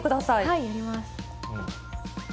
はい、やります。